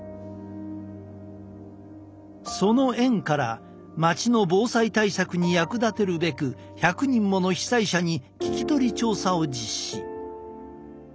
その縁から町の防災対策に役立てるべく１００人もの被災者に聞き取り調査を実施。